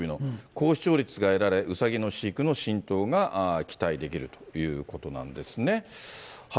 高視聴率が得られ、うさぎの飼育の浸透が期待できるということなんですね。